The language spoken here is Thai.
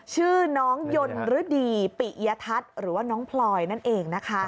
ชื่อน้องยนฤดีปิยทัศน์หรือว่าน้องพลอยนั่นเองนะคะ